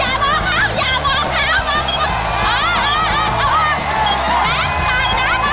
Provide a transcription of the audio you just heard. อย่ามองเขาอย่ามองเขา